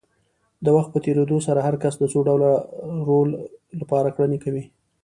د وخت په تېرېدو سره هر کس د څو ډوله رول لپاره کړنې کوي.